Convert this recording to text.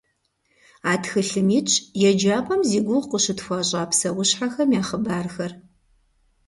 А тхылъым итщ еджапӏэм зи гугъу къыщытхуащӏа псэущхьэхэм я хъыбархэр.